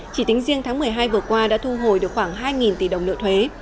chỉ tính riêng tháng một mươi hai vừa qua đã thu hồi được khoảng hai tỷ đồng nợ thuế